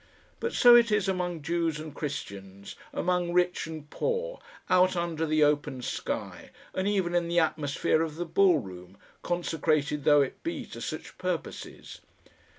But so it is among Jews and Christians, among rich and poor, out under the open sky, and even in the atmosphere of the ball room, consecrated though it be to such purposes.